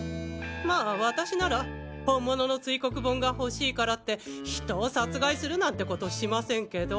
まあ私なら本物の堆黒盆が欲しいからって人を殺害するなんてことしませんけど。